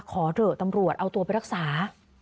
ขอเถอะตำรวจเอาตัวไปรักษา